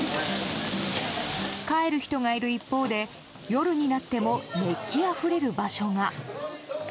帰る人がいる一方で夜になっても熱気あふれる場所が。